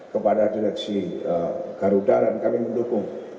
kepada direksi garuda dan kami mendukung